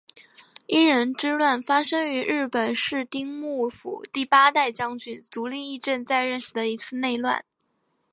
应仁之乱发生于日本室町幕府第八代将军足利义政在任时的一次内乱。